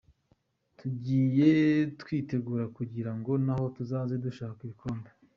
Tugiye kwitegura kugira ngo naho tuzaze dushaka ibikombe.